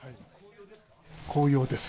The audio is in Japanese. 紅葉です。